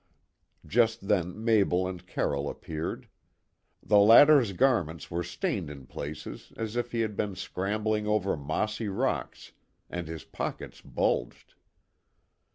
Just then Mabel and Carroll appeared. The latter's garments were stained in places as if he had been scrambling over mossy rocks, and his pockets bulged.